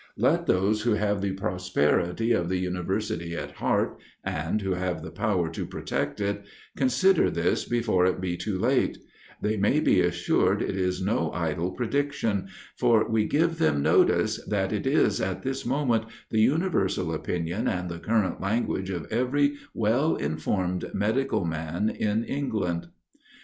Let those who have the prosperity of the university at heart, and who have the power to protect it, consider this before it be too late: they may be assured it is no idle prediction; for we give them notice, that it is at this moment the universal opinion and the current language of every well informed medical man in England.